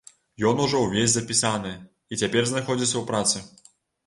Ён ужо ўвесь запісаны і цяпер знаходзіцца ў працы.